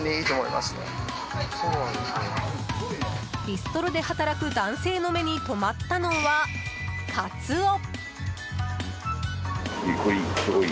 ビストロで働く男性の目に留まったのは、カツオ。